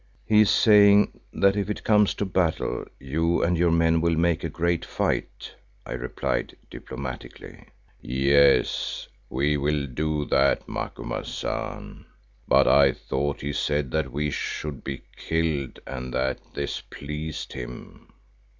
"He is saying that if it comes to battle, you and your men will make a great fight," I replied diplomatically. "Yes, we will do that, Macumazahn, but I thought he said that we should be killed and that this pleased him."